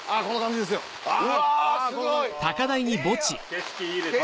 景色いいですね。